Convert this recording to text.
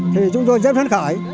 thì chúng tôi rất thân khải